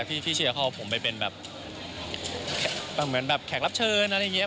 พี่เชียเขาเอาผมไปเป็นแบบแขกรับเชิญอะไรอย่างเงี้ย